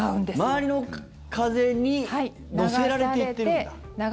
周りの風に乗せられていっているんだ。